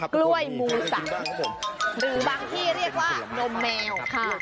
กล้วยมูสับหรือบางที่เรียกว่านมแมวค่ะ